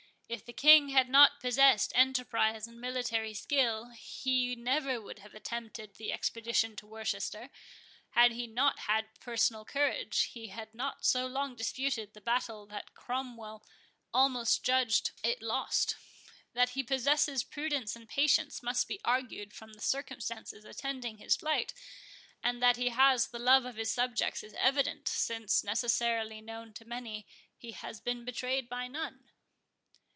If the King had not possessed enterprise and military skill, he never would have attempted the expedition to Worcester;—had he not had personal courage, he had not so long disputed the battle that Cromwell almost judged it lost. That he possesses prudence and patience, must be argued from the circumstances attending his flight; and that he has the love of his subjects is evident, since, necessarily known to many, he has been betrayed by none."